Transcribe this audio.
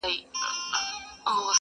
له پاچا او له رعیته څخه ورک سو!.